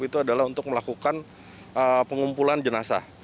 itu adalah untuk melakukan pengumpulan jenazah